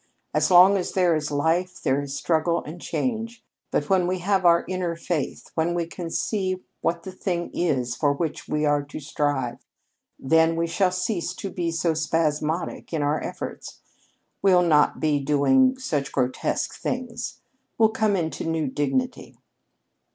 As long as there is life there is struggle and change. But when we have our inner faith, when we can see what the thing is for which we are to strive, then we shall cease to be so spasmodic in our efforts. We'll not be doing such grotesque things. We'll come into new dignity."